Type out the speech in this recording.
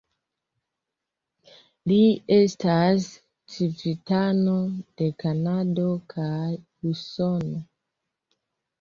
Li estas civitano de Kanado kaj Usono.